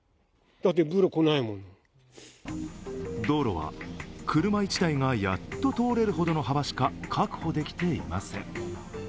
道路は、車１台がやっと通れるほどの幅しか確保できていません。